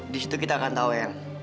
di situ kita akan tahu ya